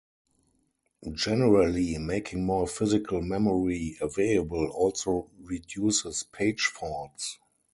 Generally, making more physical memory available also reduces page faults.